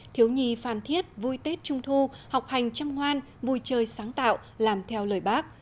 thiếu nhi phan thiết vui tết trung thu học hành chăm ngoan vui chơi sáng tạo làm theo lời bác